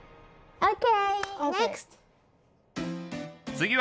ＯＫ！